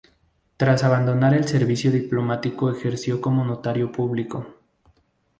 Tras abandonar el servicio diplomático ejerció como notario público.